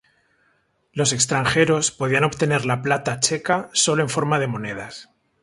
Los extranjeros podían obtener la plata checa solo en forma de monedas.